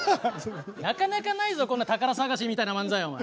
なかなかないぞこんな宝探しみたいな漫才は。